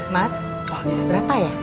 mas berapa ya